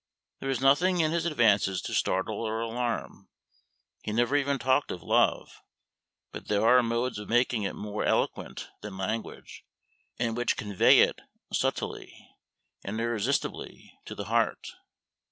There was nothing in his advances to startle or alarm. He never even talked of love, but there are modes of making it more eloquent than language, and which convey it subtilely and irresistibly to the heart.